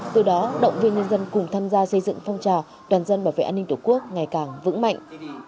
từ đó động viên nhân dân cùng tham gia xây dựng phong trào toàn dân bảo vệ an ninh tổ quốc ngày càng vững mạnh